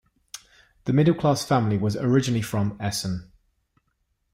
The middle class family was originally from Essen.